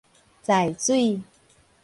在水